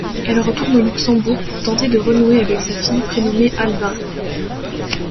Elle retourne au Luxembourg pour tenter de renouer avec sa fille prénommée Alba.